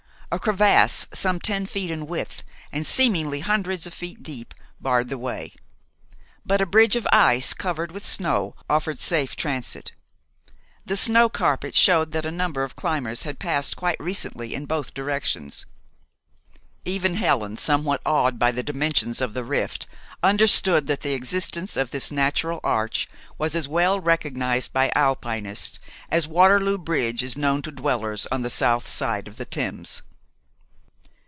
A crevasse some ten feet in width and seemingly hundreds of feet deep, barred the way; but a bridge of ice, covered with snow, offered safe transit. The snow carpet showed that a number of climbers had passed quite recently in both directions. Even Helen, somewhat awed by the dimensions of the rift, understood that the existence of this natural arch was as well recognized by Alpinists as Waterloo Bridge is known to dwellers on the south side of the Thames.